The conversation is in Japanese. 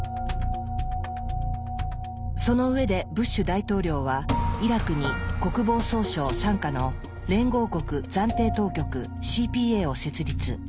その上でブッシュ大統領はイラクに国防総省傘下の連合国暫定当局ＣＰＡを設立。